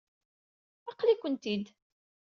Aql-ikent-id.